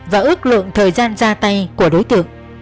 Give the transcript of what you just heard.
và ước lượng thời gian ra tay của đối tượng